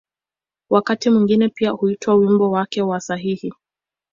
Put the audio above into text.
Wakati mwingine pia huitwa ‘’wimbo wake wa sahihi’’.